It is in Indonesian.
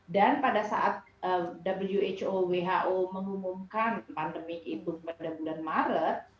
dan pada saat who mengumumkan pandemi itu pada bulan maret